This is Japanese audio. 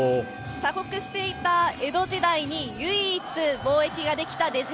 鎖国していた江戸時代に唯一、貿易ができた出島。